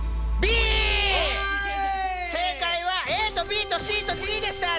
正解はＡとＢとＣとＤでした！